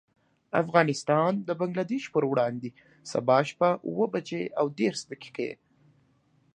افغانستان د بنګلدېش پر وړاندې، سبا شپه اوه بجې او دېرش دقيقې.